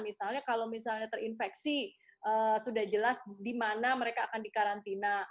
misalnya kalau misalnya terinfeksi sudah jelas di mana mereka akan dikarantina